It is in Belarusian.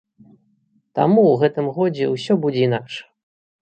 Таму ў гэтым годзе ўсё будзе інакш!